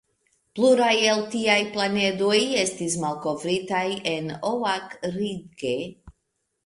Pluraj el tiaj planedoj estis malkovritaj en Oak Ridge.